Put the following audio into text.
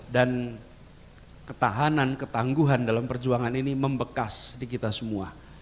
dan ketahanan ketangguhan dalam perjuangan ini membekas di kita semua